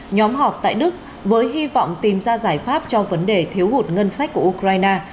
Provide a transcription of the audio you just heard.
nhóm họp tại đức với hy vọng tìm ra giải pháp cho vấn đề thiếu hụt ngân sách của ukraine